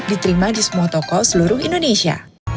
diterima di semua toko seluruh indonesia